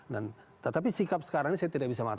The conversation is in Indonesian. dan tetapi sikap sekarang ini saya tidak bisa matang